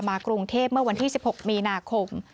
กรุงเทพเมื่อวันที่๑๖มีนาคม